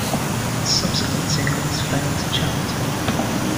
Subsequent singles failed to chart.